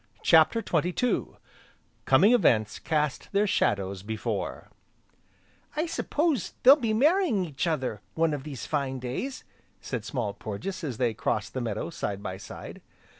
CHAPTER XXII Coming events cast their shadows before "I s'pose they'll be marrying each other, one of these fine days!" said Small Porges as they crossed the meadow, side by side.